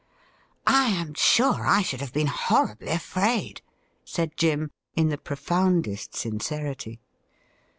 ' I am sure I should have been horribly afraid,' said Jim, in the profoundest sincerity.